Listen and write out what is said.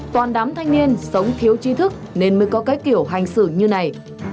toàn đám thanh niên sống thiếu trí thức nên mới có cái kiểu hành xử như này